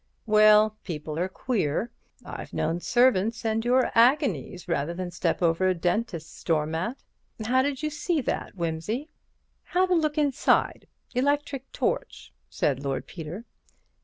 "Well, people are queer. I've known servants endure agonies rather than step over a dentist's doormat. How did you see that, Wimsey?" "Had a look inside; electric torch," said Lord Peter.